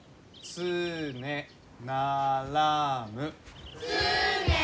「つねならむ」。